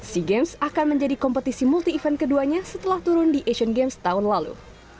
sea games akan menjadi kompetisi multi event keduanya setelah turun di asian games tahun lalu